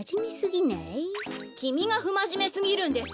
きみがふまじめすぎるんです。